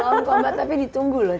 belum kok mbak tapi ditunggu loh